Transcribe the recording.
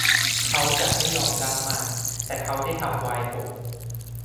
เขาจะไม่ยอมรับมัน แต่เขาได้ทำไวน์หก